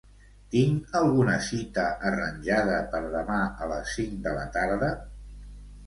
Tinc alguna cita arranjada per demà a les cinc de la tarda?